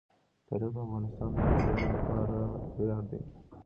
تاریخ د افغانستان د هیوادوالو لپاره ویاړ دی.